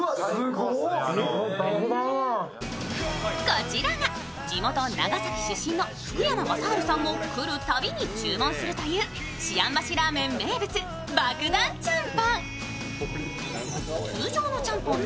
こちらが地元・長崎出身の福山雅治さんも来るたびに注文するという思案橋ラーメン名物バクダンちゃんぽん。